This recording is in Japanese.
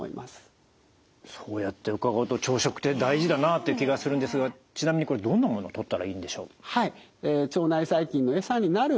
そうやって伺うと朝食って大事だなっていう気がするんですがちなみにこれどんなものをとったらいいんでしょう？